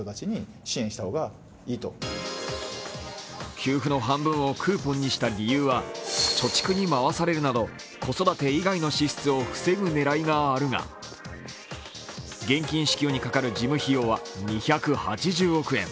給付の半分をクーポンにした理由は貯蓄に回されるなど子育て以外の支出を防ぐ狙いがあるが現金支給にかかる事務費用は２８０億円。